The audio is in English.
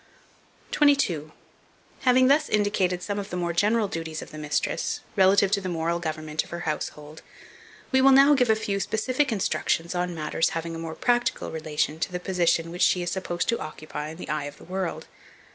22. HAVING THUS INDICATED some of the more general duties of the mistress, relative to the moral government of her household, we will now give a few specific instructions on matters having a more practical relation to the position which she is supposed to occupy in the eye of the world.